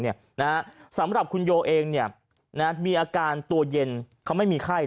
สำหรับคุณโยเองเนี่ยนะมีอาการตัวเย็นเขาไม่มีไข้